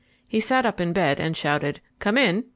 He sat up in bed and shouted "Come in."